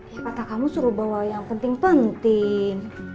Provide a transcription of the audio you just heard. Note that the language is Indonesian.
ya kata kamu suruh bawa yang penting penting